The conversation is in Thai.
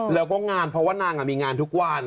แล้วก็งานเพราะว่านางมีงานทุกวัน